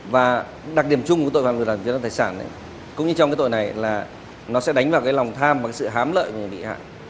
và đặc điểm chung của tội phạm vừa làm việc là tài sản này cũng như trong tội này là nó sẽ đánh vào lòng tham và sự hám lợi của người bị hại